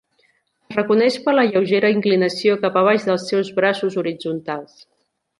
Es reconeix per la lleugera inclinació cap a baix dels seus braços horitzontals.